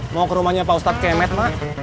mau ke rumahnya pak ustadz kemet mak